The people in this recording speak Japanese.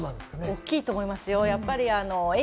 大きいと思いますよ。